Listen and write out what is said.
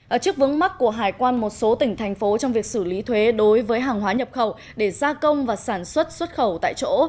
ở trước vướng mắt của hải quan một số tỉnh thành phố trong việc xử lý thuế đối với hàng hóa nhập khẩu để gia công và sản xuất xuất khẩu tại chỗ